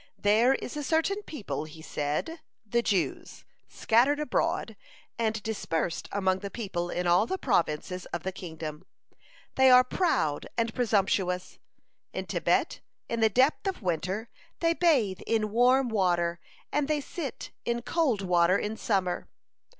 "There is a certain people," he said, "the Jews, scattered abroad and dispersed among the peoples in all the provinces of the kingdom. They are proud and presumptuous. In Tebet, in the depth of winter, they bathe in warm water, and they sit in cold water in summer.